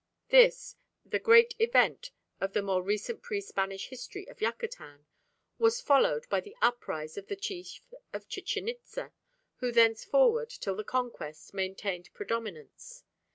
This the great event of the more recent pre Spanish history of Yucatan was followed by the uprise of the chief of Chichen Itza, who thenceforward till the Conquest maintained predominance.